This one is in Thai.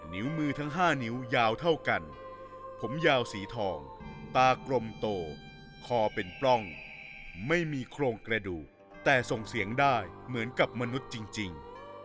นิ้วมือทั้ง๕นิ้วยาวเท่ากันผมยาวสีทองตากลมโตคอเป็นปล้องไม่มีโครงกระดูกแต่ส่งเสียงได้เหมือนกับมนุษย์จริง